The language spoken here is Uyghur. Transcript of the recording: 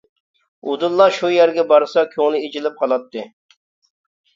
ئۇدۇللا شۇ يەرگە بارسا كۆڭلى ئېچىلىپ قالاتتى.